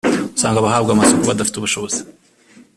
usanga abahabwa amasoko badafite ubushobozi